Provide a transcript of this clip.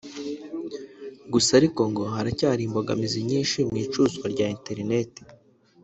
Gusa ariko ngo haracyari imbogamizi nyinshi mu icuruzwa rya Internet